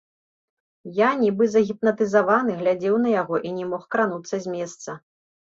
Я, нібы загіпнатызаваны, глядзеў на яго і не мог крануцца з месца.